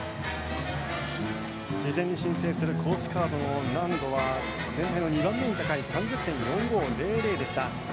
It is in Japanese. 事前に申請する難度は全体の２番目に高い３０．４５００でした。